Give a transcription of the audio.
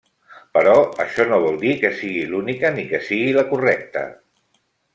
Però, això no vol dir que sigui l'única, ni que sigui la correcta.